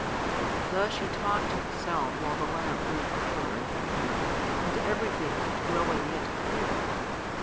Thus she talked to herself while the lamp grew paler and paler, and everything kept growing yet clearer.